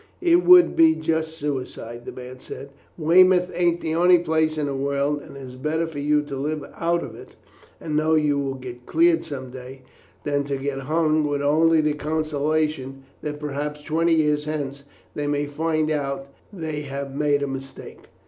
"It would be just suicide," the man said. "Weymouth ain't the only place in the world; and it is better for you to live out of it, and know you will get cleared some day, than to get hung, with only the consolation that perhaps twenty years hence they may find out they have made a mistake."